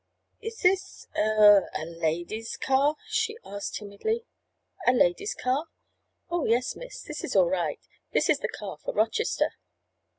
"Is this—er—a ladies' car?" she asked timidly. "A ladies' car? Oh, yes, miss. This is all right. This is the car for Rochester."